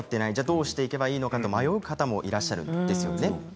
どうしていけばいいのかと迷う方もいらっしゃるんですよね。